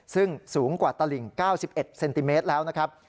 ซึ่งสูงกว่าตลิง๙๑เซนติเมตรแล้วนะครับ